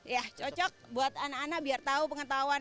ya cocok buat anak anak biar tahu pengetahuan